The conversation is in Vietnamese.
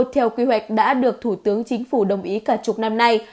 theo quy hoạch đã được thủ tướng chính phủ đồng ý cả chục năm nay